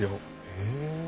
へえ。